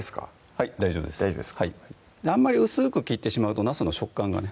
はい大丈夫ですあんまり薄く切ってしまうとなすの食感がね